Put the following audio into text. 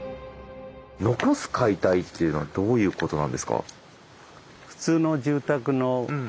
残す解体っていうのはどういうことなんですか？